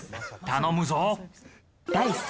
頼むぞ！